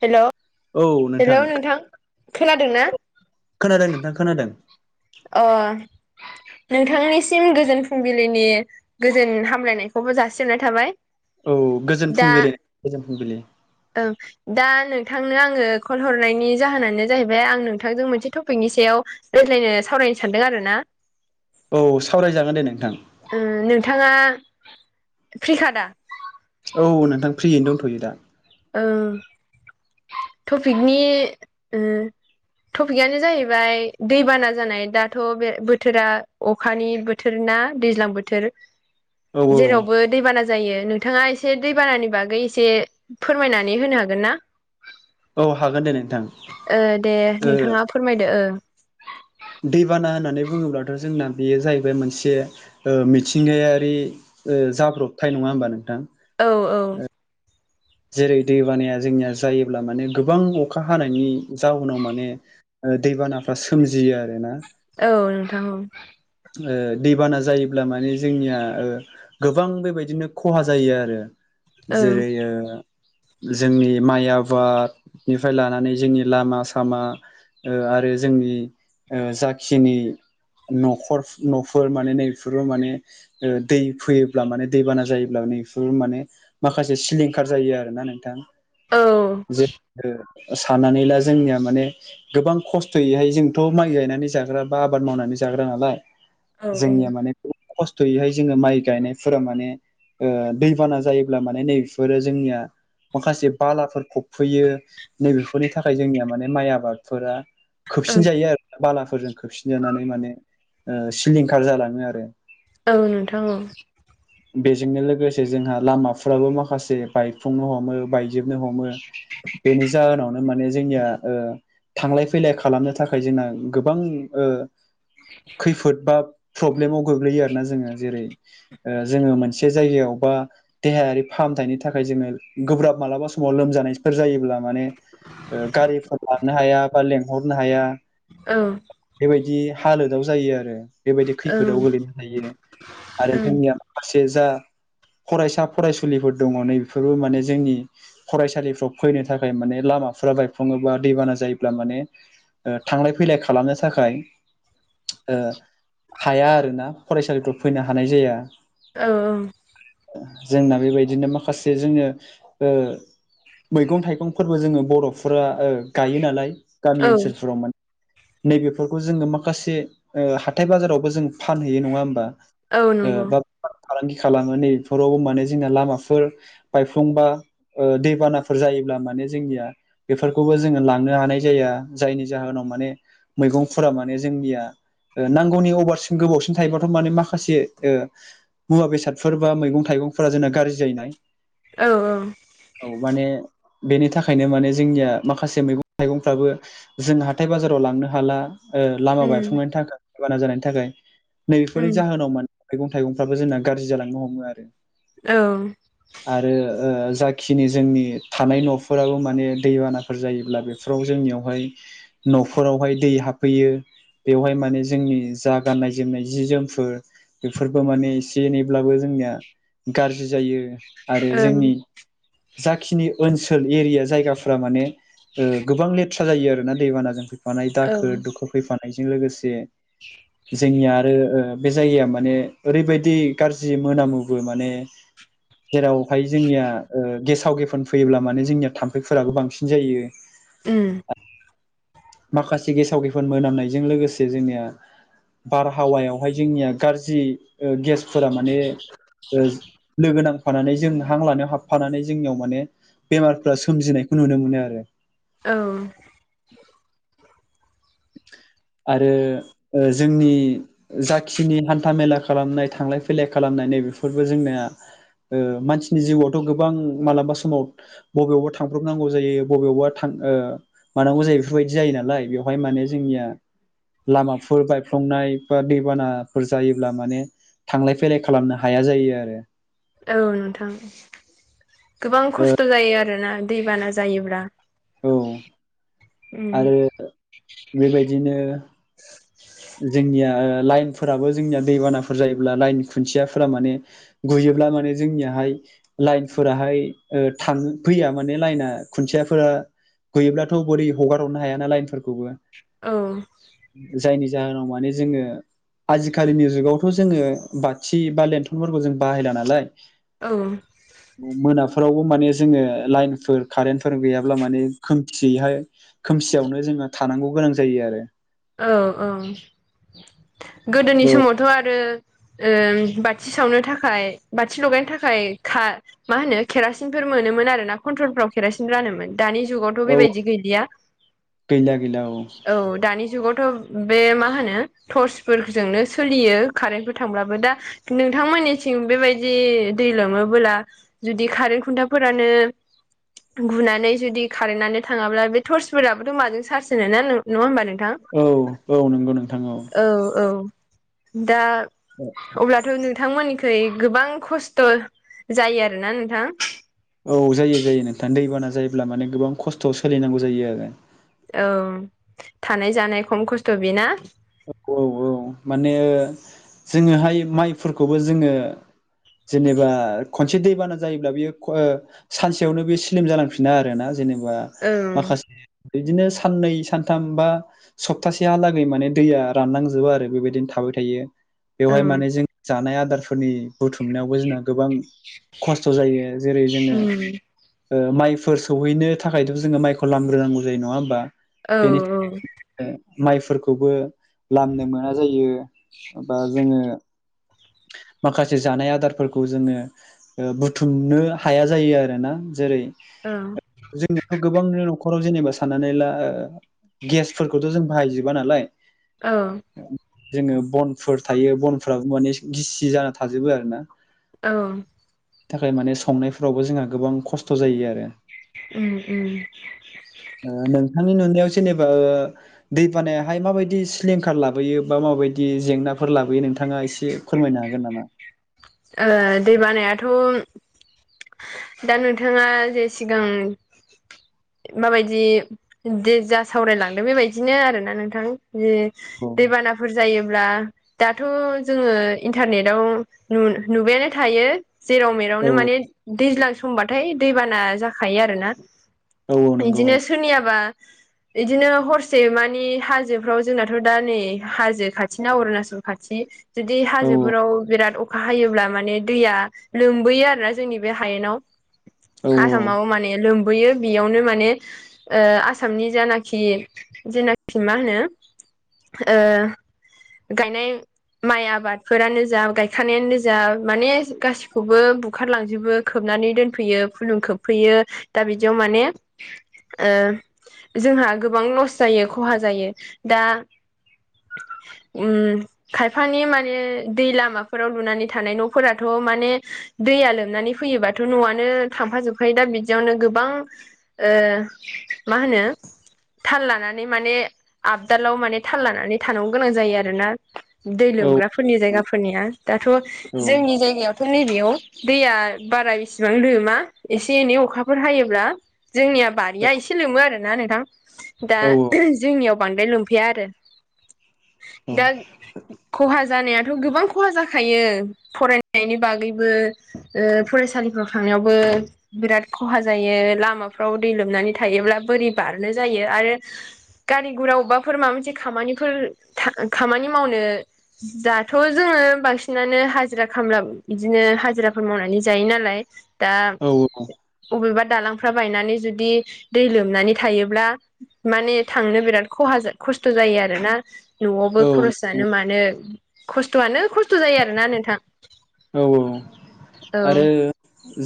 हेल' hello नोंथां खोनादोंना? खोनादों नोंथां खोनादों। अ नोंथांनिसिम गोजोन फुंबिलिनि गोजोन हामलायनायखौबो जासिहरनाय थाबाय। औ गोजोन फुंबिलि गोजोन फुंबिलि। औ दा नोंथांनो आङो कल हरनायनि जाहोनानो जाहैबाय आं नोंथांजों मोनसे टपिकनि सायाव रायज्लायनो सावरायनो सानदों आरो ना। औ सावरायजागोन दे नोंथां। उम नोंथाङा फ्रिखादा? औ नोंथां फ्रियैनो दंथ'यो दा। ओ टपिकनि ओ टपिकआनो जाहैबाय दैबाना जानाय दाथ' बे बोथोरा अखानि बोथोर थोर ना दैज्लां बोथोर। औ औ जेरावबो दैबाना जायो नोंथाङा एसे दैबानानि बागै एसे फोरमायनानै होनो हागोन ना औ हागोन दे नोंथां ओ दे ओ नोंथाङा फोर फोरमायदो ओ दैबाना होननानै बुङोब्लाथ' जोंना बेयो जाहैबाय मोनसे ओ मिथिंगायारि ओ जाब्रबथाय नङा होमबा नोंथां। औ औ। जेरै दैबानाया जोंनिया जायोब्ला माने गोबां अखा हानायनि जाउनाव माने ओ दैबानाफ्रा सोमजियो आरोना। औ नोंथां औ ओ दैबाना जायोब्ला माने जोंनिया ओ गोबां बेबायदिनो खहा जायो आरो औ ओं जेरै ओ-' जोंनि माइ आबादनिफ्राय लानानै जोंनि लामा सामा ओ आरो जोंनि ओ जाखिनि न'खर न'फोर माने नै बेफोरबो माने ओ दै फैयोब्ला माने दै बाना जायोब्ला नै बिफोरबो माने माखासे सिलिंखार जायो आरोना नोंथां औ जे साननानै ला जोंनिया माने गोबां खस्थ'यैहाय जोंथ' माइ गायनानै जाग्रा बा आबाद मावनानै जाग्रा नालाय औ जोंनिया माने खस्थ'यैहाय जोङो माइ गायनायफोरा माने ओ दैबाना जायोब्ला माने नै बेफोरो जोंनिया माखासे बालाफोर फबफैयो नैबेफोरनि थाखाय जोंनिया माने माइ आबाद फोरा खोबसिन ओं जायो आरो। बालाफोरजों खोबसिनजानानै माने ओ सिलिंखार जालाङो आरो। औ नोंथां औ। बेजोंनो लोगोसे जोंहा लामाफ्राबो माखासे बायफुंनो हमो बाइक जोबनो हमो बेनि जाहोनावनो माने जोंनिया ओ थांलाय फैलाय खालामनो थाखाय जोंना गोबां ओ खैफोद बा प्रब्लेमाव गोग्लैयो आरोना जोङो जेरै ओ जोङो मोनसे जायगायाव बा देहायारि फाहामथायनि थाखाय नि थाखाय जोङो गोब्राब मालाबा समाव लोमजानायफोर जायोब्ला माने ओ गारिफोर लांनो हाया बा लेंहरनो हाया औ। बेबायदि हालोदाव जायो आरो बेबायदि ओं खैफोदाव गोलैनो हायो आरो ओं जोंनिया माखासे जा फरायसा फरायसुलिफोर दङ' नै बेफोरबो माने जोंनि फरायसालिफ्राव फैनो थाखाय माने लामाफोरा बायफ्ल'ङोबा दैबाना जायोब्ला माने ओ थांलाय फैलाय खालामनो थाखाय ओ हाया आरोना फरायसालिफोराव फैनो हानाय जाया। औ औ जोंना बेबायदिनो माखासे जोङो ओ मैगं थाइगंफोरबो जोङो बर'फोरा गायो नालाय गामि औ ओनसोलफोराव माने नैबेफोरखौ जोङो माखासे हाथाय बाजारावबो जों फानहैयो नङा होमबा औ नंगौ बा बेफार फालांगि खालामो नै बेफोरावबो माने जोंना लामा फोर बायफ्लंबा दैबानाफोर जायोब्ला माने जोंनिया बेफोरखौबो जोङो लांनो हानाय जाया जायनि जाहोनाव माने मैगंफोरा माने जोंनिया नांगौनि अभारसिन गोबावसिम थायोबाथ' माने माखासे मुवा बेसादफोर बा मैगं थाइगंफोरा जोंना गाज्रि जायोनाय औ औ औ माने बेनि थाखायनो माने जोंनिया माखासे मैगं थाइगंफ्राबो जों हाथाय बाजाराव लांनो हाला लामा उम बायफ्लंनायनि थाखाय दैबाना जानायनि थाखाय नैबेफोरनि उम जाहोनाव मान मैगं थाइगंफ्राबो जोंना गाज्रि जालांनो हमो आरो औ आरो ओ जाखिनि जोंनि थानाय न'फोराबो माने दैबानाफोर जायोब्ला बे फ्राव जोंनियावहाय न'फोरावहाय दै हाबफैयो बेवहाय माने जोंनि जा गाननाय जोमनाय जि जोमफोर बेफोरबो माने एसे एनैब्लाबो जोंनिया गाज्रि जायो आरो जोंनि जाखिनि ओनसोल एरिया जायगाफ्रा माने गोबां लेथ खरसा जायो आरो ना दैबानाजों फैफानाय औ दाखोर दुखोर फैफानायजों लोगोसे जोंनिया आरो ओ बे जायगाया माने ओरैबायदि गाज्रि मोनामोबो माने जेरावहाय जोंनिया गेसाव गेफोन फैयोब्ला माने जोंनिया थाम्फैफोराबो बांसिन जायो ओम माखासे गेसाव गेफोन मोनामनायजों लोगोसे जोंनिया बारहावायावहाय जोंनिया गाज्रि ओ गेसफोरा माने लोगो नांफानानै जों हां लानायाव हाबफानानै जोंनियाव माने बेमारफ्रा सोमजिनायखौ नुनो मोनो आरो औ आरो जोंनि जाखिनि हान्था मेला खालामनाय थांलाय फैलाय खालामनाय नैबेफोरबो जोंनिया ओ मानसिनि जिउआवथ' गोबां मालाबा समाव बबेयावबा थांब्रबनांगौ जायो बबेयावबा थां ओ मानांगौ जायो बेफोरबायदि जायो नालाय बेयाव बेवहाय माने जोंनिया लामाफोर बायफ्लंनाय बा दैबानाफोर जायोब्ला माने थांलाय फैलाय खालामनो हाया जायो आरो औ नोंथां गोबां ओ खस्थ' जायो आरोना दैबाना जायोब्ला औ उम आरो बेबायदिनो जोंनिया लाइनफोराबो जोंनिया दैबानाफोर जायोब्ला लाइन खुन्थियाफोरा माने गुयोब्ला माने जोंनियाहाय लाइनफोराहाय ओ थां फैया माने लाइना खुन्थियाफोरा गुयोब्लाथ' बोरै हगार हरनो हायाना लाइनफोरखौबो औ जायनि जाहोनाव माने जोङो आजिखालिनि जुगावथ' जोङो बाथि बा लेन्थनफोरखौ जों बाहायला नालाय औ मोनाफोरावबो माने जोङो लाइनफोर कारेन्टफोर गैयाब्ला माने खोमथियैहाय खोमसियावनो जोङो थानांगौ गोनां जायो आरो औ-औ गोदोनि समावथ' आरो ओ बाथि सावनो थाखाय बाथि लगायनो थाखाय खा मा होनो केरासिनफोर मोनोमोन आरो ना कन्ट्रलफ्राव केरासिन रानोमोन दानि जुगाव था औ बेबायदि गैलिया गैला गैला औ दानि जु जुगावथ' बे मा होनो टर्सफोरजोंनो सोलियो कारेन्टफोर थांब्लाबो दा नोंथांमोननिथिं बेबायदि दै लोमोबोला जुदि खारेन खुन्थाफोरानो गुनानै जुदि कारेन्टनानो थाङाब्ला बे टर्सफोराबोथ' माजों चार्ज होनो ना नङा होमबा नोंथां औ-औ नंगौ नोंथां औ औ-औ दा औ अब्लाथ' नोंथांमोननिखौ जेरै गोबां खस्थ' जायो आरोना नोंथां औ जायो जायो नोंथां दैबाना जायोब्ला माने गोबां खस्थ'आव सोलिनांगौ जायो आरो औ थानाय जानाय खम खस्थ' बेना औ औ माने जोङोहाय माइफोरखौबो जोङो जेनेबा खनसे दैबाना जायोब्ला बियो सानसेयावनो बे स्लिम जालांफिना आरोना जेनेबा ओं माखासे बिदिनो साननै सानथाम बा सप्तासेहालागै माने दैया रानलांजोबो आरो बेबायदिनो थाबाय थायो बेवहाय ओं माने जों जानाय आदारफोरनि बुथुमनायावबो जोंना गोबां खस्थ' जायो जेरै जोङो उम ओ माइफोर सौहैनो थाखायथ' जोङो माइखौ लांग्रोनांगौ जायो नङा होमबा औ बेनि थाखाय माइफोरखौबो लामनो मोन मा जायो बा जोङो माखासे जानाय आदारफोरखौ जोङो ओ बुथुमनो हाया जायो आरोना जेरै ओ जोंनियावथ' गोबां न'खराव जेनेबा साननानै ला गेसफोरखौथ' जों बाहायजोबा नालाय औ जोङो बनफोर थायो बनफोराबो माने गिसि जाना थाजोबो आरोना औ थाखाय माने संनायफोरावबो जोंहा गोबां खस्थ' जायो आरो उम-उम नोंथांनि नुनायाव जेनेबा दै बानायाहाय माबायदि सिलिंखार लाबोयो बा माबायदि जेंनाफोर लाबोयो नोंथाङा एसे फोरमायनो हागोन नामा ओ दै बानायाथ' दा नोंथाङा जे सिगां माबायदि दे जा सावरायलांदों बेबायदिनो आरोना नोंथां जि औ दैबानाफोर जायोब्ला दाथ' जोङो इन्टारनेटाव नुबायानो थायो जेराव औ मेरावनो माने दैज्लां समबाथाय दैबाना जाखायो आरोना औ औ नंगौ बिदिनो सोरनियाबा बिदिनो हरसे मानि हाजोफ्राव जोंनाथ' दा नै हाजो खाथिनाा अरुणाचल खाथि जुदि औ हाजोफोराव बिराद अ अखा हायोब्ला माने दैया लोमबोयो आरोना जोंनि बे हायेनाव औ आसामाव माने लोमबोयो बेयावनो माने ओ आसामनि जानाखि जेनाखि मा होनो गायनाय माइ आबादफोरानो जा गाय खानायानो जा माने गासिखौबो बुखारलांजोबो खोबनानै दोनफैयो फुलुं खोबफैयो दा बिदियाव माने जोंहा गोबां लस जायो खहा जायो दा उम खायफानि माने दै लामा फोराव लुनानै थानाय न'फोराथ' माने दैया लोमनानै फैयोबाथ' न'आनो थांफ जोब ओमफ्राय दा बिदियावनो गोबां ओ मा होनो? थाल लानानै माने आबदालाव माने थाल लानानै थानांगौ गोनां जायो आरोना। दै औ लोमग्राफोरनि जायगाफोरनिया दाथ' औ जोंनि जायगायाव फोर नैनाययाव दैया बारा बेसेबां लोमा एसे एनै अखाफोर हायोब्ला जोंनिया बारिया एसे लोमो आरोोना नोंथां दा औ जोंनियाव बांद्राय लोमफैया आरो। दा खहा जानायाथ' गोबां खहा जाखायो थायो फरायनायनि बागैबो ओ फरायसालिफ्राव थांनायावबो बिराद खहा जायो लामाफ्राव दै लोमनानै थायोब्ला बोरै बारनो जायो आरो गारि गुरा अबेबाफोर माबा मोनसे खामानिफोर खामानि मावनो दाथ' जोङो बांसिन बिसिनानो हाजिरा खामला बिदिनो हाजिराफोर मावनानै जायो नालाय दा अबेबा दालांफ्रा बायनानै जुदि दै लोमनानै थायोब्ला माने थांनो बिराद खहा खस्थ' जायो आरोना। न'आवबो औ खरस जानो मानो खस्थ'आनो खस्थ' जायो आरोना नोंथां। औ औ औ आरो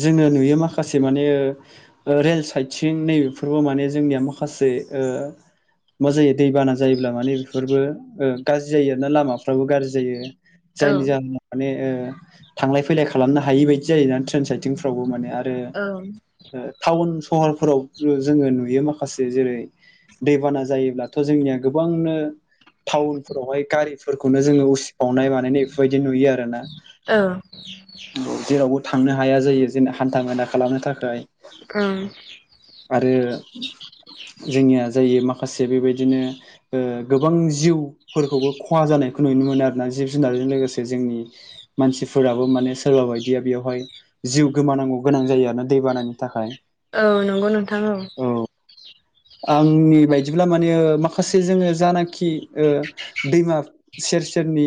जोङो नुयो माखासे माने रेल साइद सिं नैबेफोरबो माने जोंनिया माखासे ओ मा जायो दैबाना जायोब्ला माने बेफोरबो गाज्रि जायो आर ना लामाफ्राबो गाज्रि जायो। औ जायनि जाहोनाव माने थांलाय फैलाय खालामनो हायि बायदि जायोोना ट्रेन साइटिंफ्रावबो माने आरो औ टाउन सहरफोराव जोङो नुयो माखासे जेरै दैबाना जायोब्लाथ' जोंनिया गोबांनो टाउनफोरावहाय गारिफोरखौनो जोङो उसिबावनाय बानायनाय बेफोरबायदि नुयो आरो ना। औ जेरावबो थांनो हाया जायो जेनना हान्था मेला खालामनो थाखाय ओं आरो जोंनिया जायो माखासे बेबायदिनो ओ गोबां जिउ फोरखौबो खहा जानायखौ नुनो मोनो आरोोना जिब जुनारजों लोगोसे जोंनि मानसिफोराबो माने सोरबा बायदिया बेवहाय जिउ गोमानांगौ गोनां जायो आरो दै बानानि थाखाय। औ नंगौ नोंथां औ आंनि बायदिब्ला माने माखासे जोङो जानाखि ओ दैमा सेर सेरनि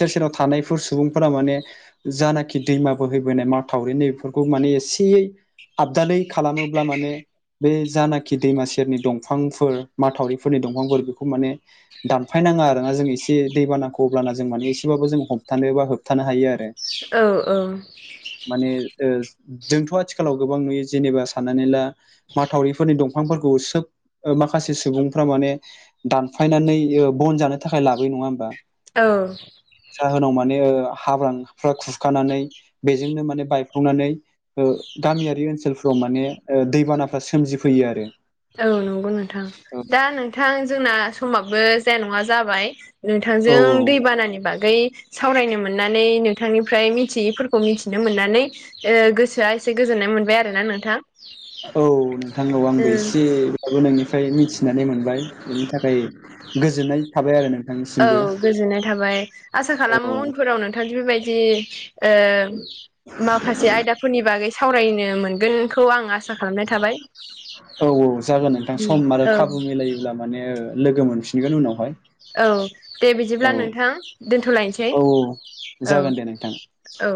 सेर सेराव थानायफोर सुबुंफोरा माने जानाखि दैम बोहैबोनाय माथावरि नै बेफोरखौ माने एसेयै आबदादै खालामोब्ला माने बे जानाखि जखि दैमा सेरनि दंफांफोर माथावरिफोरनि दंफांफोर बेखौ माने दानफायनाङा आरोना जों एसे दैबानाखौ अब्ला जों माने एसेबाबो जों हमथानो बा होबथानो हायो आरो। औ औ माने जोंथ' आथिखालाव गोबां नुयो जेनेबा साननानै ला माथावरिफोरनि दं। बिफांफोरखौ सोब माखासे सुबुंफ्रा माने दानफायनानै बन जानो थाखाय लाबोयो नङा होमबा? औ जाहोनाव माने हाब्रांफ्रा खुरखानानै बेजोंनो माने बायफ्लंनानै गामियारि ओनसोलफोराव माने दैबानाफ्रा सोमजिफैयो आरो। औ नंगौ नोंथां औ दा नोंथां जोंना समाबो जाया नङा जाबाय। औ नोंथांजों दै बानानि बागै सावरायनो मोननानै नोंथांनिफ्राय मिथियैफोरखौ मिथिनो मोननानै गोसोआ एसे गोजोननाय मोनबाय आरो ना नोंथां। औ नोंथां औ आंबो एसे नोंनिफ्राय मिथिनानै मोनबाय बेनि थाखाय गोजोननाय थाबाय आरो नों औ गोजोननाय थाबाय आसा औ खालामो उनफोराव नोंथां बेबायदि माखासे आयदाफोरनि बागै सावरायनो मोनगोनखौ आं आं औ औ जागोन नोंथां सम आरो औ खाबु मिलायोब्ला माने लोगो मोनफिनगोन उनावहाय औ दे औ बिदिब्ला नोंथां दोनथ'लायनोसै औ औ। जागोन दे नोंथां औ।